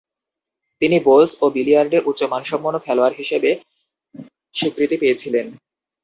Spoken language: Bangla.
তিনি বোলস ও বিলিয়ার্ডে উচ্চ মানসম্পন্ন খেলোয়াড় হিসেবে স্বীকৃতি পেয়েছিলেন।